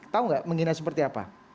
tahu nggak menghina seperti apa